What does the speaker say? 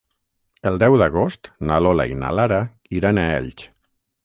El deu d'agost na Lola i na Lara iran a Elx.